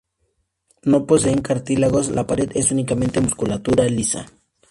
No poseen cartílagos, la pared es únicamente musculatura lisa.